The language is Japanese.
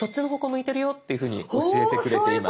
向いてるよっていうふうに教えてくれています。